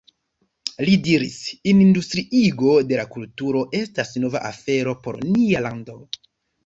Li diris: Industriigo de kulturo estas nova afero por nia lando.